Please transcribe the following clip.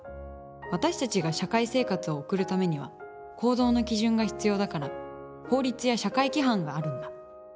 私たちが社会生活をおくるためには行動の基準が必要だから法律や社会規範があるんだ。